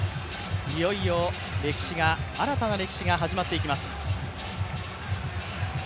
いよいよ新たな歴史が始まっていきます。